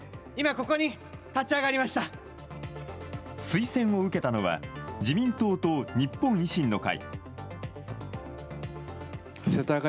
推薦を受けたのは自民党と日本維新の会。